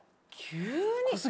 急に！